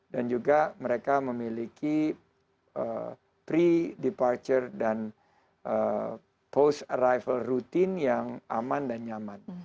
dan juga mereka memiliki pre departure dan post arrival rutin yang aman dan nyaman